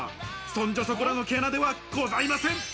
そんじょそこらの毛穴ではございません。